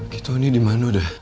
kita ini dimana udah